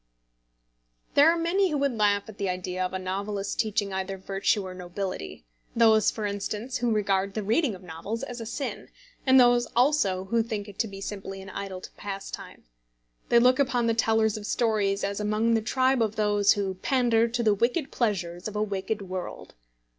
There are many who would laugh at the idea of a novelist teaching either virtue or nobility, those, for instance, who regard the reading of novels as a sin, and those also who think it to be simply an idle pastime. They look upon the tellers of stories as among the tribe of those who pander to the wicked pleasures of a wicked world.